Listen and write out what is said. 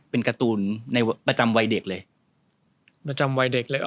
ประจำวัยเด็กเลยเหรอ